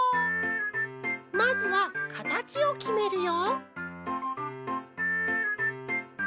まずはかたちをきめるよ